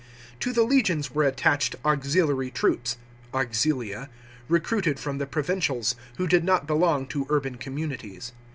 To the legions were attached auxiliary troops (auxilia), recruited from the provincials, who did not belong to urban communities.